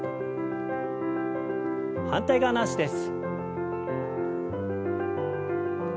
反対側の脚です。